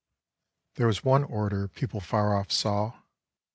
(There was one orator people far off saw.